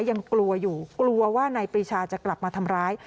ยังกลัวอยู่กลัวว่านายปรีชาจะกลับมาทำร้าย